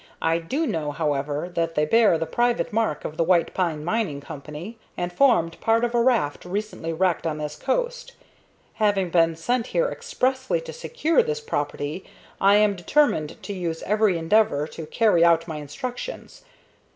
I do know, however, that they bear the private mark of the White Pine Mining Company, and formed part of a raft recently wrecked on this coast. Having been sent here expressly to secure this property, I am determined to use every endeavor to carry out my instructions.